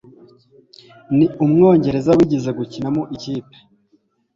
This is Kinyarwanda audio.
ni Umwongereza wigeze gukina mu ikipe